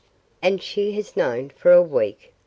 "And she has known for a week?"